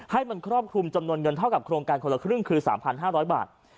ให้มันครอบคลุมจำนวนเงินเท่ากับโครงการคนละครึ่งคือ๓๕๐๐บาท